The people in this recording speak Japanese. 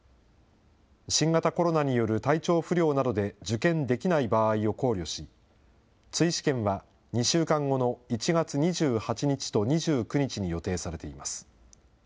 新型コロナによる体調不良などで、受験できない場合を考慮し、追試験は２週間後の１月２８日と２９日に予定されています。